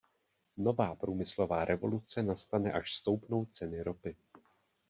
Nová průmyslová revoluce nastane, až stoupnou ceny ropy.